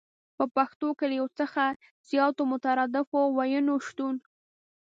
په پښتو کې له يو څخه زياتو مترادفو ويونو شتون